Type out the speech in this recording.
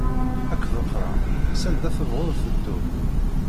Ad k-ḍefreɣ, sanda tebɣud teddud.